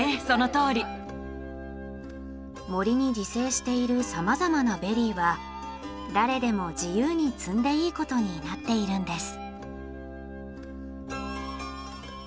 森に自生しているさまざまなベリーは誰でも自由に摘んでいいことになっているんです。